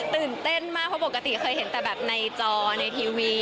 ตื่นเต้นมากเพราะปกติเคยเห็นแต่แบบในจอในทีวี